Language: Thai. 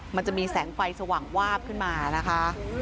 มันจะมีแสงไฟสว่างวาบขึ้นมานะคะ